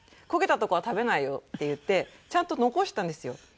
「焦げたとこは食べないよ」って言ってちゃんと残したんですよ。